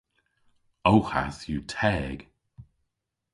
Ow hath yw teg.